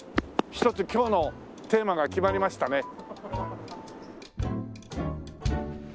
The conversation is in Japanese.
一つ今日のテーマが決まりましたね。